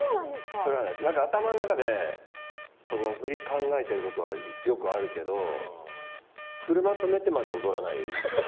頭の中で振りを考えることはよくあるけど車止めてまで踊らない。